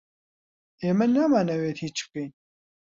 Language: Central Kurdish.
ئێمە نامانەوێت هیچ بکەین.